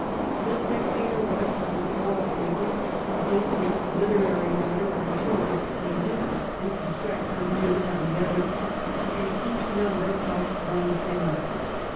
' The Spectator ' 1714 THE END OF THE * SPECTATOR/ 189 was but a small paper, containing its literary matter on two of its pages and some scraps of news on the other, and each number cost one penny.